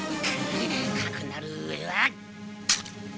かくなるうえは。